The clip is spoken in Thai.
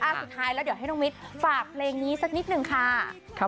สุดท้ายเดี๋ยวต้องให้ต้องฝากเพลงนี้สักนิดนึงค่ะ